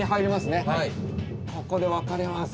ここで分かれます。